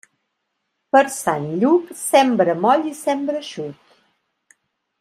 Per Sant Lluc, sembra moll i sembra eixut.